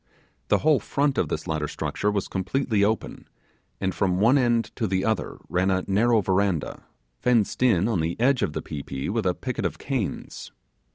The whole front of this latter structure was completely open, and from one end to the other ran a narrow verandah, fenced in on the edge of the pi pi with a picket of canes.